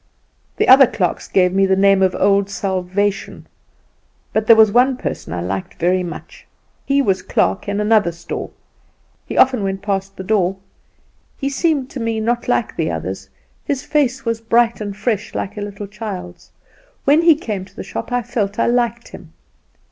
"The other clerks gave me the name of Old Salvation; but there was one person I liked very much. He was clerk in another store. He often went past the door. He seemed to me not like others his face was bright and fresh like a little child's. When he came to the shop I felt I liked him.